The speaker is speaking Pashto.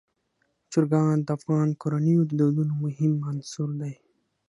چرګان د افغان کورنیو د دودونو مهم عنصر دی.